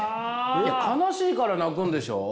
悲しいから泣くんでしょう？